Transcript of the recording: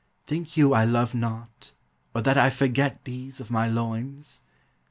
Think you I love not, or that I forget These of my loins?